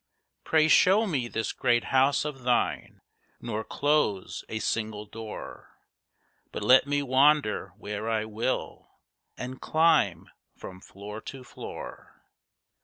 "Pray show me this great house of thine, nor close a single door; But let me wander where I will, and climb from floor to floor!